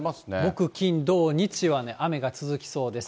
木、金、土、日はね、雨が続きそうです。